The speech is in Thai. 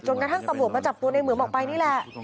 กระทั่งตำรวจมาจับตัวในเหมืองออกไปนี่แหละ